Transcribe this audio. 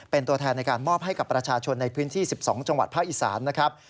เป็นตัวแทนในการมอบให้กับประชาชนในพื้นที่๑๒จังหวัดภาคอีสานนะครับ